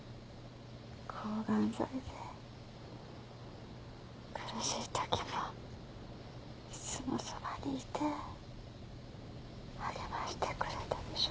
抗ガン剤で苦しいときもいつもそばにいて励ましてくれたでしょ。